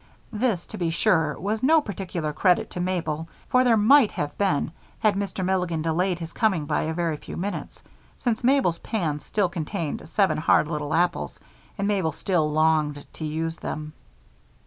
This, to be sure, was no particular credit to Mabel for there might have been had Mr. Milligan delayed his coming by a very few minutes, since Mabel's pan still contained seven hard little apples and Mabel still longed to use them.